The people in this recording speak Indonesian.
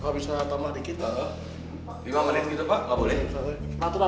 kalau bisa tambah dikit lah